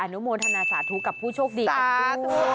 นุโมทนาสาธุกับผู้โชคดีกันทุกคน